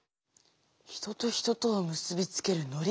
人と人とを結びつける「のり」かぁ。